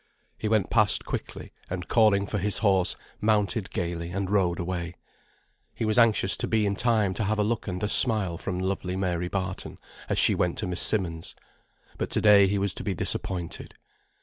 He went past quickly, and calling for his horse, mounted gaily, and rode away. He was anxious to be in time to have a look and a smile from lovely Mary Barton, as she went to Miss Simmonds'. But to day he was to be disappointed.